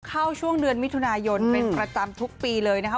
ช่วงเดือนมิถุนายนเป็นประจำทุกปีเลยนะคะ